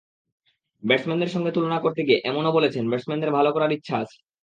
ব্যাটসম্যানদের সঙ্গে তুলনা করতে গিয়ে এমনও বলেছেন, ব্যাটসম্যানদের ভালো করার ইচ্ছা আছে।